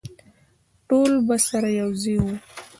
ټول به سره یوځای وو.